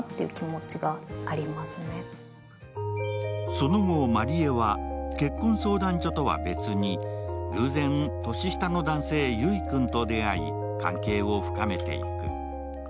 その後、まりえは結婚相談所とは別に偶然、年下の男性・由井君と出会い関係を深めていく。